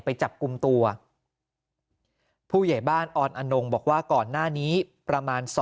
ไปจับกลุ่มตัวผู้ใหญ่บ้านออนอนงบอกว่าก่อนหน้านี้ประมาณ